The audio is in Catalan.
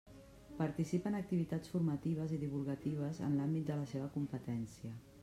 Participa en activitats formatives i divulgatives en l'àmbit de la seva competència.